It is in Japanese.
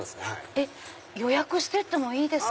予約してってもいいですか？